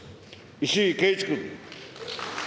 石井啓一君。